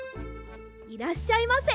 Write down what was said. いらっしゃいませ。